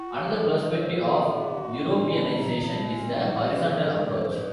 Another perspective of Europeanisation is the 'horizontal approach.